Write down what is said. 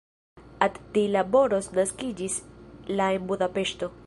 Attila Boros naskiĝis la en Budapeŝto.